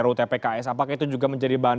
rutpks apakah itu juga menjadi bahan